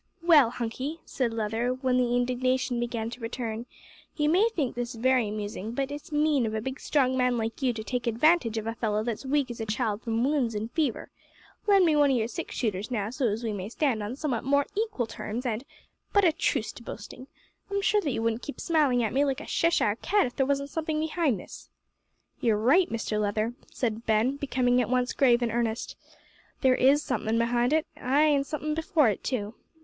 "Well, Hunky," said Leather, while the indignation began to return, "you may think this very amusing, but it's mean of a big strong man like you to take advantage of a fellow that's as weak as a child from wounds an' fever. Lend me one o' your six shooters, now, so as we may stand on somewhat more equal terms and but a truce to boasting! I'm sure that you wouldn't keep smiling at me like a Cheshire cat if there wasn't something behind this." "You're right, Mr Leather," said Ben, becoming at once grave and earnest. "There is somethin' behind it ay, an' somethin' before it too.